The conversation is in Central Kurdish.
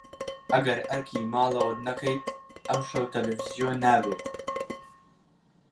ئەگەر ئەرکی ماڵەوەت نەکەیت، ئەمشەو تەلەڤیزیۆن نابێت.